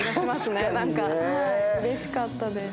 うれしかったです。